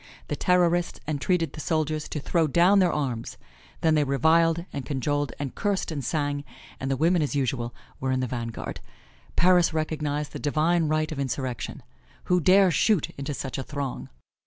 The Terrorists entreated the soldiers to throw down their arms, then they reviled and cajoled and cursed and sang, and the women as usual were in the vanguard. Paris recognized the divine right of insurrection. Who dare shoot into such a throng!